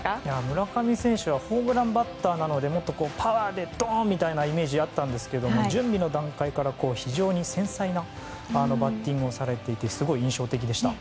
村上選手はホームランバッターなのでもっとパワーでドン！みたいなイメージがあったんですけど準備の段階から非常に繊細なバッティングをされていてすごい印象的でした。